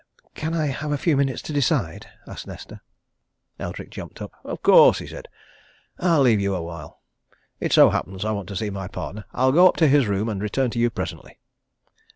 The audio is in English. "Can I have a few minutes to decide?" asked Nesta. Eldrick jumped up. "Of course!" he said. "I'll leave you a while. It so happens I want to see my partner, I'll go up to his room, and return to you presently."